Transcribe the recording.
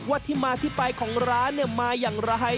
ที่มาที่ไปของร้านมาอย่างไร